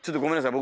僕